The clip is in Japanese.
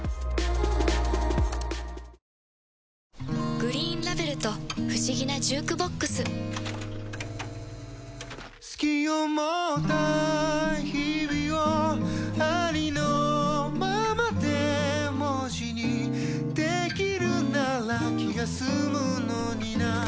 「グリーンラベル」と不思議なジュークボックス“好き”を持った日々をありのままで文字にできるなら気が済むのにな